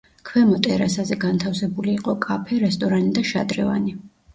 ქვემო ტერასაზე განთავსებული იყო კაფე, რესტორანი და შადრევანი.